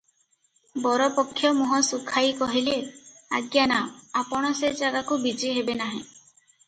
ବରପକ୍ଷ ମୁହଁ ଶୁଖାଇ କହିଲେ, "ଆଜ୍ଞା ନା, ଆପଣ ସେ ଜାଗାକୁ ବିଜେ ହେବେ ନାହିଁ ।"